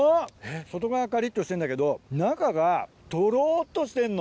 外側カリっとしてんだけど中がトロっとしてんの。